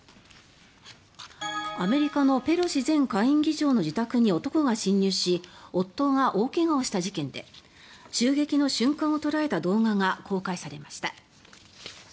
アメリカのペロシ前下院議長の自宅に男が侵入し夫が大怪我をした事件で襲撃の瞬間を捉えた動画が公開されました。